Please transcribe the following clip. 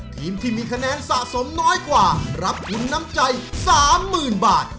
ทีมที่มีคะแนนสะสมน้อยกว่ารับทุนน้ำใจ๓๐๐๐บาท